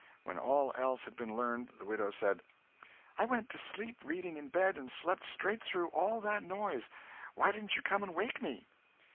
When all else had been learned, the widow said: "I went to sleep reading in bed and slept straight through all that noise. Why didn't you come and wake me?"